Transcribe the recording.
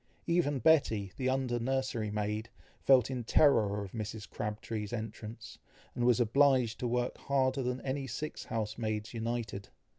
Even Betty, the under nursery maid, felt in terror of Mrs. Crabtree's entrance, and was obliged to work harder than any six house maids united.